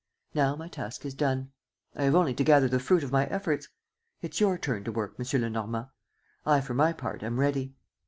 Now my task is done. I have only to gather the fruit of my efforts. It's your turn to work, M. Lenormand. I, for my part, am ready."